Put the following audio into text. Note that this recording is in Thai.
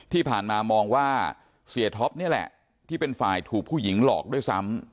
ที่ผ่านมามองว่าเสียท็อปนี่แหละที่เป็นฝ่ายถูกผู้หญิงหลอกด้วยซ้ำ